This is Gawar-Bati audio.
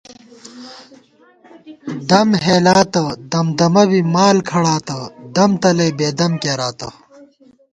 دم ہېلاتہ دمدَمہ بی مال کھڑاتہ دم تلئ بېدم کېراتہ